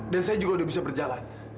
dan saya juga sudah bisa berjalan